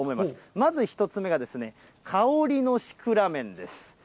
まず１つ目が香りのシクラメンです。